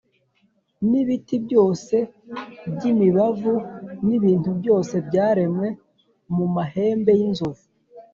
n’ibiti byose by’imibavu n’ibintu byose byaremwe mu mahembe y’inzovu,